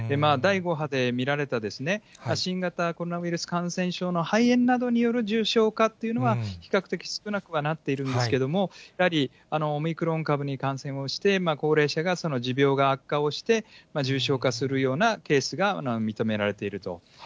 第５波で見られた新型コロナウイルス感染症の肺炎などによる重症化というのは比較的少なくはなってるんですけれども、やはりオミクロン株に感染して、高齢者がその持病が悪化をして、重症化するようなケースも認められていると。